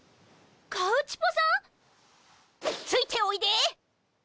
カウチポさん⁉ついておいで！